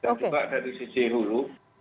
dan juga dari sisi hulu